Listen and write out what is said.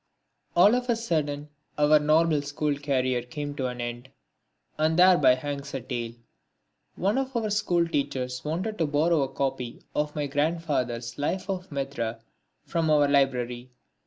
All of a sudden our Normal School career came to an end; and thereby hangs a tale. One of our school teachers wanted to borrow a copy of my grandfather's life by Mitra from our library.